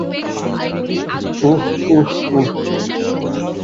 উহ, উহ, উহ।